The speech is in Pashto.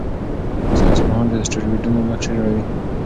ساینسپوهان د اسټروېډونو نقشې جوړوي.